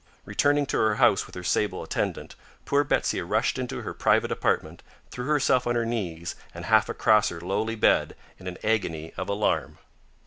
Returning to her house with her sable attendant, poor Betsy rushed into her private apartment threw herself on her knees and half across her lowly bed in an agony of alarm.